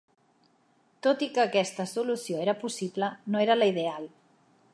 Tot i que aquesta solució era possible, no era la ideal.